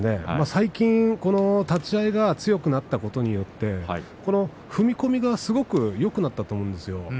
最近、立ち合いが強くなったことによって踏み込みがすごくよくなったと思うんですよ。